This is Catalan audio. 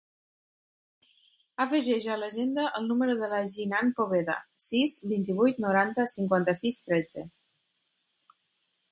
Afegeix a l'agenda el número de la Jinan Poveda: sis, vint-i-vuit, noranta, cinquanta-sis, tretze.